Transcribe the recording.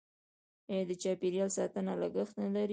آیا د چاپیریال ساتنه لګښت نلري؟